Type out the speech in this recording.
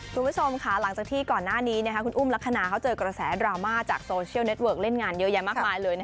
คุณผู้ชมค่ะหลังจากที่ก่อนหน้านี้คุณอุ้มลักษณะเขาเจอกระแสดราม่าจากโซเชียลเน็ตเวิร์กเล่นงานเยอะแยะมากมายเลย